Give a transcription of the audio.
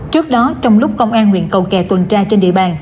trước đó trong lúc công an nguyện cầu kè tuần tra trên địa bàn